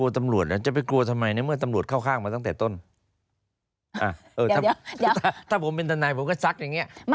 ถ้าผมเป็นทนายผมก็ซักอย่างนี้